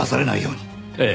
ええ。